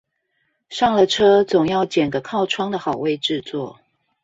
上了車總要揀個靠窗的好位置坐